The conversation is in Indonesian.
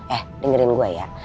eh dengerin gue ya